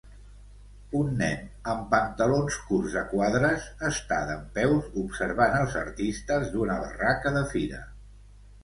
un nen amb pantalons curts a quadres està dempeus, observant els artistes d'una barraca de fira.